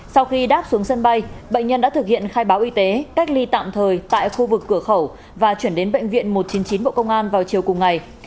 sau khi đáp xuống sân bay bệnh nhân đã thực hiện khai báo y tế cách ly tạm thời tại khu vực cửa khẩu và chuyển đến bệnh viện một trăm chín mươi chín bộ công an vào chiều cùng ngày